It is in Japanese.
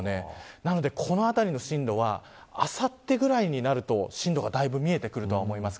なので、この辺りの進路はあさってくらいになると進路がだいぶ見えてくると思います。